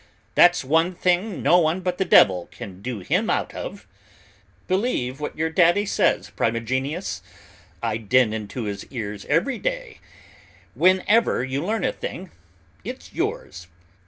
That's one thing no one but the devil can do him out of! 'Believe what your daddy says, Primigenius,' I din into his ears every day, 'whenever you learn a thing, it's yours.